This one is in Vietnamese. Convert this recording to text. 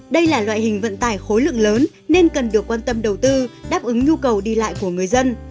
đây là loại hình vận tải khối lượng lớn nên cần được quan tâm đầu tư đáp ứng nhu cầu đi lại của người dân